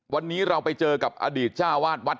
วันนี้เราไปเจอกับอดีตเจ้าวาดวัด